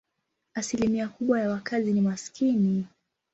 Asilimia kubwa ya wakazi ni maskini.